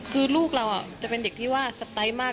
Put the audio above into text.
คือลูกเราจะเป็นเด็กที่ว่าสไตล์มาก